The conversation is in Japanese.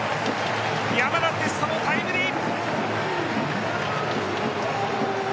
山田哲人のタイムリー。